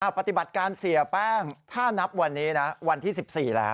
ปฏิบัติการเสียแป้งถ้านับวันนี้นะวันที่๑๔แล้ว